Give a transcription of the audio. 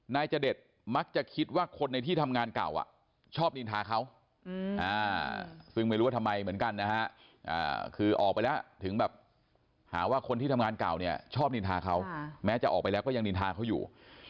นายจเดชมักจะคิดว่าคนในที่ทำงานเก่าชอบนินทาเขาซึ่งไม่รู้ว่าทำไมเหมือนกันนะฮะคือออกไปแล้วถึงแบบหาว่าคนที่ทำงานเก่าเนี่ยชอบนินทาเขาแม้จะออกไปแล้วก็ยังนินทาเขาอยู่